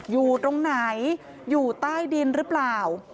อยู่ตรงไหนอยู่ใต้ดินหรือเปล่า